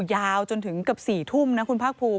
ยาวจนถึงเกือบ๔ทุ่มนะคุณภาคภูมิ